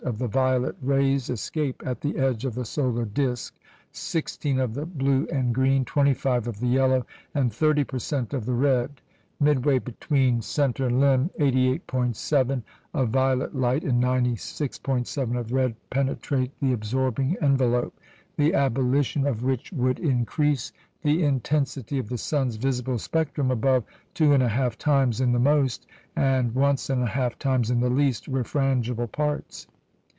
of the violet rays escape at the edge of the solar disc, 16 of the blue and green, 25 of the yellow, and 30 per cent. of the red. Midway between centre and limb, 88·7 of violet light and 96·7 of red penetrate the absorbing envelope, the abolition of which would increase the intensity of the sun's visible spectrum above two and a half times in the most, and once and a half times in the least refrangible parts.